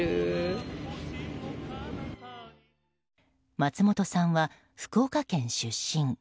松本さんは福岡県出身。